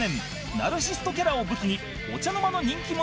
ナルシストキャラを武器にお茶の間の人気者となったピン